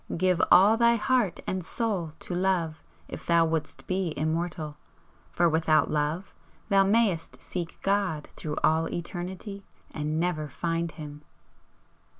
Give all thy heart and soul to Love if thou wouldst be immortal! for without Love thou mayst seek God through all Eternity and never find Him!"